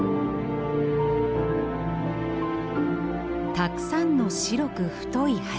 たくさんの白く太い柱。